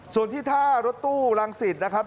ส่วนที่ท่ารถตู้รังสิตนะครับ